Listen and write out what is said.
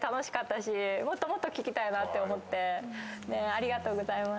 ありがとうございます。